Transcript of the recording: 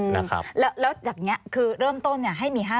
แล้วจากนี้คือเริ่มต้นให้มี๕๐